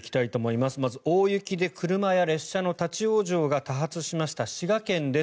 まず大雪で車や列車の立ち往生が多発しました滋賀県です。